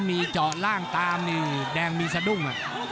มีเจาะล่างตามนี่แดงมีสะดุ้ง